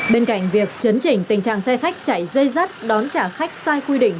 bên cạnh việc chấn chỉnh tình trạng xe khách chạy dây dắt đón trả khách sai khuy định